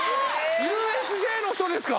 ＵＳＪの人ですか？